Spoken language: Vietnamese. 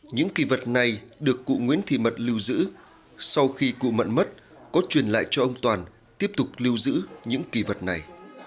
những kỳ vật này được cụ nguyễn thị mận lưu giữ sau khi cụ mận mất có truyền lại cho ông toàn tiếp tục lưu giữ những kỳ vật này